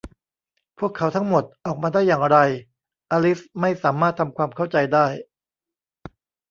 พวกเขาทั้งหมด ออกมาได้อย่างไร อลิสไม่สามารถทำความเข้าใจได้